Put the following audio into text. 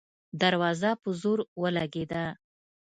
دروازه په زور ولګېده.